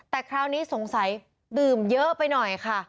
แต่คราวนี้สงสัยดื่มเยอะไปหน่อยค่ะ